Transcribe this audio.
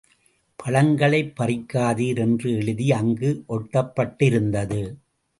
பழங்களைப் பறிக்காதீர் என்று எழுதி அங்கு ஒட்டப்பட்டிருந்தது.